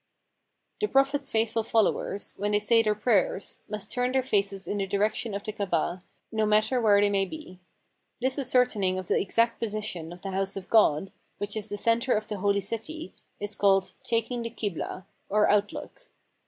The Prophet's faithful followers, when they say their prayers, must turn their faces in the direction of the Kabah, no matter where they may be. This ascertain ing of the exact position of the House of God, which is the center of the Holy City, is called " taking the Kiblah " or Outlook.